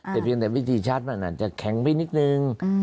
แต่เพียงแต่วิธีชัดมันอาจจะแข็งไปนิดนึง